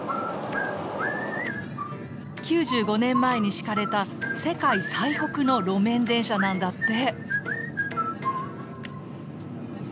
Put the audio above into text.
９５年前に敷かれた世界最北の路面電車なんだって。